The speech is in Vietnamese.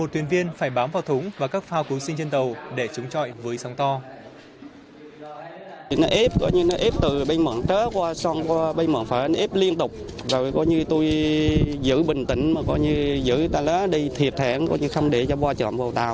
một mươi một thuyền viên phải bám vào thúng và các phao cú sinh trên tàu để chống chọi với sóng to